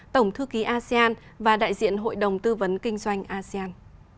tổng thư ký asean và đại diện hội đồng tư vấn kinh doanh asean